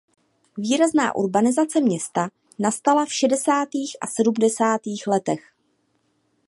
Výrazná urbanizace města nastala v šedesátých a sedmdesátých letech.